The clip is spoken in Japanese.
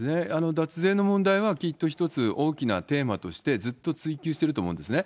脱税の問題は、きっと一つ大きなテーマとして、ずっと追及してると思うんですね。